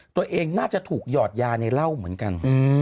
ตัวเองน่าจะถูกหยอดยาในเหล้าเหมือนกัน